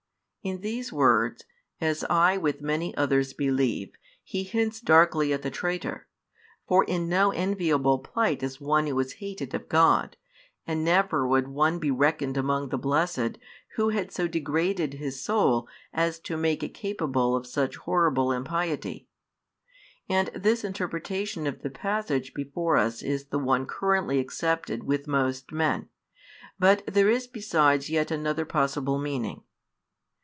In these words, as I with many others believe, He hints darkly at the traitor; for in no enviable plight is one who is hated of God, and never would one be reckoned among the blessed who had so degraded his soul as to make it capable of such horrible impiety. And this interpretation of the passage before us is the one currently accepted with most men: but there is besides yet another possible meaning.